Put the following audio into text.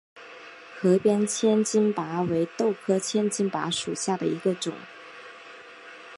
河边千斤拔为豆科千斤拔属下的一个种。